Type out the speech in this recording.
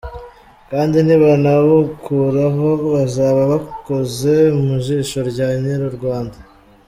Kandi nibanabukuraho bazaba bakoze mujisho rya Nyirurwanda!